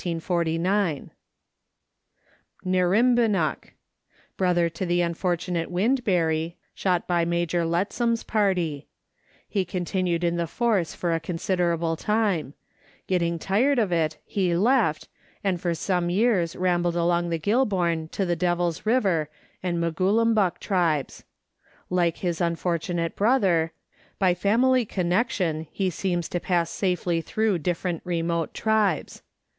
Nerimbineek (Ner rim bin ufi), brother to the unfortunate Windberry (shot by Major Lettsom's party) ; he continued in the force for a considerable time ; getting tired of it, he left, and for some years rambled along the Goulburn to the Devil's River and Moogolumbuk tribes. Like his unfortunate brother, by family connexion he seems to pass safely through different remote tribes.